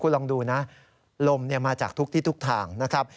ลองดูนะลมมาจากทุกที่ทุกทางนะครับ